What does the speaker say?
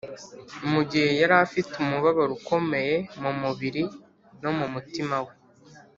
mu gihe yari afite umubabaro ukomeye mu mubiri no mu mutima we